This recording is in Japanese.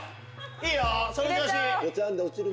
いいよ！